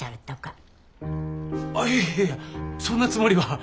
あっいやいやいやそんなつもりは。